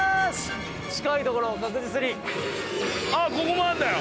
あっここもあんだよ。